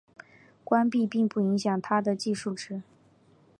关闭并不影响它的计数值。